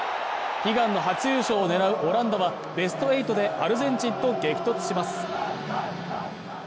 悲願の初優勝を狙うオランダはベスト８でアルゼンチンと激突します